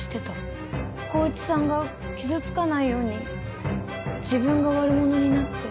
孝一さんが傷つかないように自分が悪者になって。